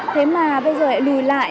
thế mà bây giờ lại lùi lại